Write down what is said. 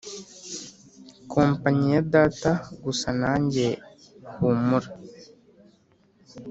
company ya data gusa nanjye humura